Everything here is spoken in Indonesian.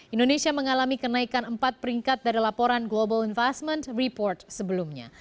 indonesia mengalami kenaikan empat peringkat dari laporan global investment report sebelumnya